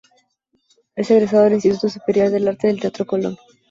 Es egresado del Instituto Superior de Arte del Teatro Colón.